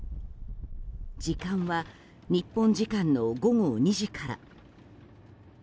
時間は日本時間の午後２時から。